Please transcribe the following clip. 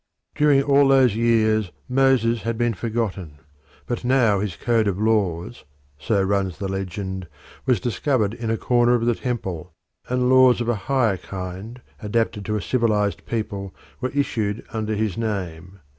During all these years Moses had been forgotten, but now his code of laws (so runs the legend) was discovered in a corner of the temple, and laws of a higher kind adapted to a civilised people were issued under his name.